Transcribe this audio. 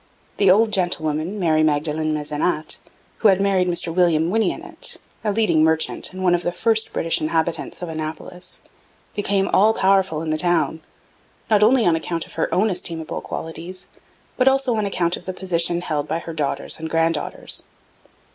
The old gentlewoman, Marie Magdalen Maisonat, who had married Mr William Winniett, a leading merchant and one of the first British inhabitants of Annapolis, became all powerful in the town, not only on account of her own estimable qualities, but also on account of the position held by her daughters and granddaughters.